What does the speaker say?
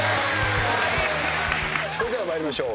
それでは参りましょう。